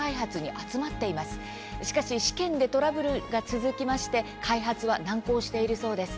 しかし、試験でトラブルが続きまして開発は難航しているそうです。